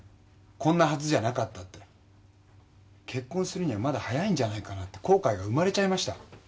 こんなはずじゃなかったって結婚するにはまだ早いんじゃって後悔が生まれちゃいました？